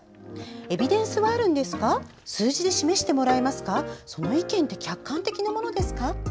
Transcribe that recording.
エビデンスはあるんですか数字で示してもらえますかその意見って客観的なものですか。